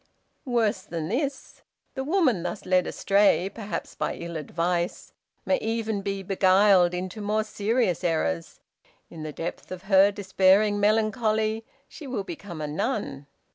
"Worse than this, the woman thus led astray, perhaps by ill advice, may even be beguiled into more serious errors. In the depth of her despairing melancholy she will become a nun.